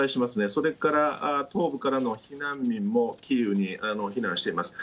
それから東部からの避難民もキーウに避難しています。